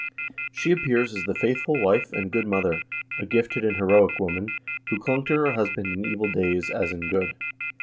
She appears as the faithful wife and good mother, a gifted and heroic woman, who clung to her husband in evil days, as in good.